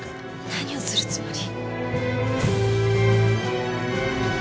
何をするつもり？